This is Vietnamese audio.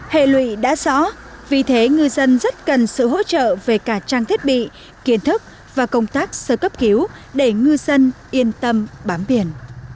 hệ lụy đã rõ vì thế ngư dân rất cần sự hỗ trợ về cả trang thiết bị kiến thức và công tác sơ cấp cứu để ngư dân yên tâm bám biển